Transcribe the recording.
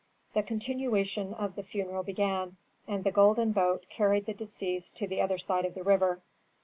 The continuation of the funeral began, and the golden boat carried the deceased to the other side of the river.